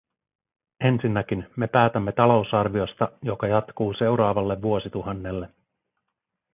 Ensinnäkin, me päätämme talousarviosta, joka jatkuu seuraavalle vuosituhannelle.